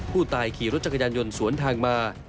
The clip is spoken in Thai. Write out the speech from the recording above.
ผู้ตายขี่รถจักรยานยนต์สวนทางมา